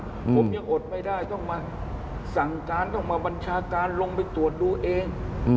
ผมยังอดไม่ได้ต้องมาสั่งการต้องมาบัญชาการลงไปตรวจดูเอง